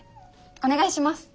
お願いします。